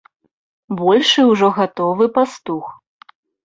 Большы ўжо гатовы пастух.